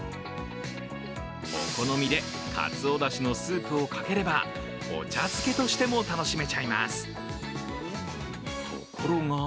お好みで、かつおだしのスープをかければお茶漬けとしても楽しめちゃいます。